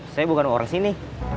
saya bukan orang sini